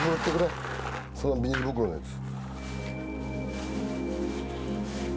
そのビニール袋のやつ。